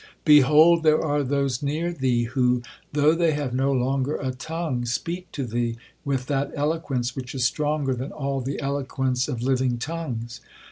Behold, there are those near thee, who, though they have no longer a tongue, speak to thee with that eloquence which is stronger than all the eloquence of living tongues.